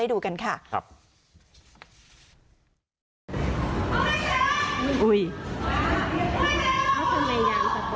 อุ้ย